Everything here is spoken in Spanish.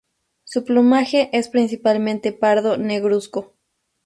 Su plumaje es principalmente pardo negruzco.